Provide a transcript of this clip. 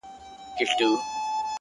چي تا تر دې لا هم ښايسته كي گراني”